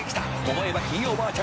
思えばひいおばあちゃん